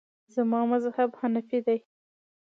زما مذهب حنیفي دی.